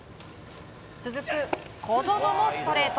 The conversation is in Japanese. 続く小園もストレート。